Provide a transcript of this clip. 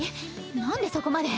なんでそこまで？